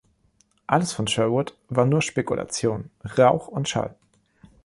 Alles von Sherwood war nur Spekulation, Rauch und Schall.